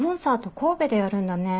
神戸でやるんだね